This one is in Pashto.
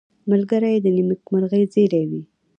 ملګری د نېکمرغۍ زېری وي